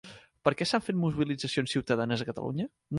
Per què s'han fet mobilitzacions ciutadanes a Catalunya?